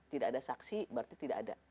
tidak ada saksi berarti tidak ada